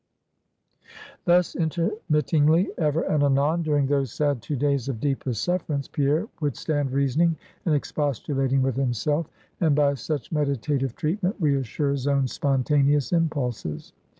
Thus, intermittingly, ever and anon during those sad two days of deepest sufferance, Pierre would stand reasoning and expostulating with himself; and by such meditative treatment, reassure his own spontaneous impulses.